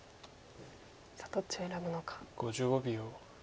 どっちを選ぶのか。